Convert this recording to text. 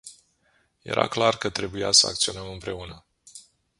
Era clar că trebuia să acționăm împreună.